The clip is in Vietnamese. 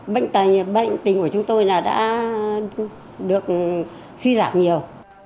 bệnh tình của chúng tôi là đã được suy giảm nhiều